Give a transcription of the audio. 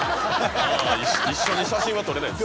一緒に写真は撮れないです。